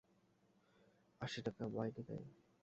আশি টাকা মাইনে দেয়।